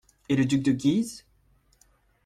Et le duc de Guise ?